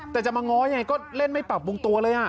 แต่จะมาง้อยังไงก็เล่นไม่ปรับปรุงตัวเลย